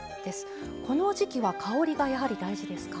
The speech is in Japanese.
この時季は香りがやはり大事ですか？